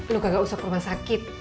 lu kagak usah ke rumah sakit